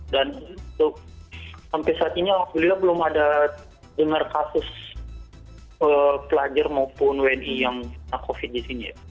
dan sampai saat ini alhamdulillah belum ada dengar kasus pelajar maupun wni yang covid sembilan belas disini